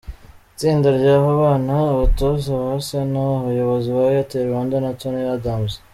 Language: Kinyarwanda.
Itsinda ry’aba bana, abatoza ba Arsenal, abayobozi ba Airtel Rwanda na Tony Adams.